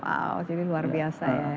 wow jadi luar biasa ya